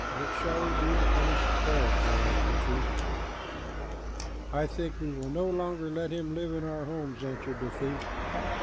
What shall we do to punish the parrot?" they asked the thief. "I think we will no longer let him live in our homes," answered the thief.